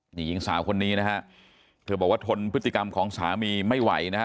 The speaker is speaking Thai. นี่หญิงสาวคนนี้นะฮะเธอบอกว่าทนพฤติกรรมของสามีไม่ไหวนะฮะ